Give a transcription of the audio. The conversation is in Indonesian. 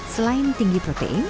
selain tinggi protein